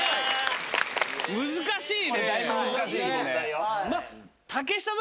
難しいね。